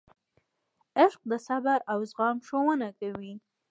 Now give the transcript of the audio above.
عشق د صبر او زغم ښوونه کوي.